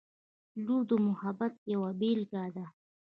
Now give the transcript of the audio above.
• لور د محبت یوه بېلګه ده.